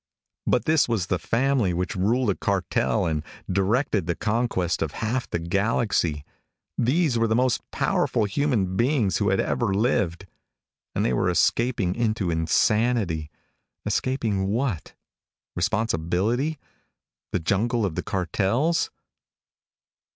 But this Was the family which ruled a cartel and directed the conquest of half the galaxy; these were the most powerful human beings who had ever lived. And they were escaping into insanity. Escaping what? Responsibility? The jungle of the cartels?